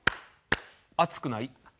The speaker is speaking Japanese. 暑くない。